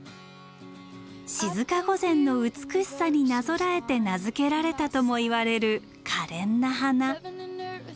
静御前の美しさになぞらえて名付けられたともいわれるかれんな花。